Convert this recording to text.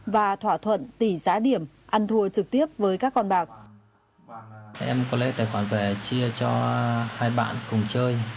và thỏa thuận tỷ giá điểm ăn thua trực tiếp với các con bạc